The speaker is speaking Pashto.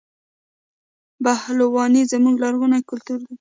پهلواني زموږ لرغونی کلتور دی.